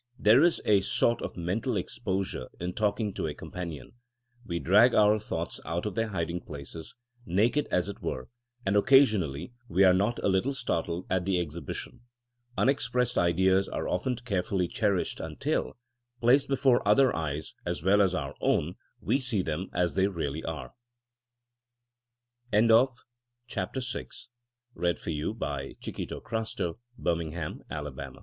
There is a sort of mental exposure in talking to a companion; we drag our thoughts out of their hiding places, naked as it were, and occasionally we are not a little startled at the exhibition. Unexpressed ideas are often carefully cherished until, placed before other eyes as well as our own, we see them as they really are, '*^ IT. Sharper Enowlaon